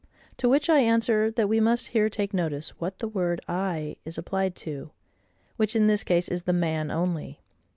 To which I answer, that we must here take notice what the word I is applied to; which, in this case, is the MAN only.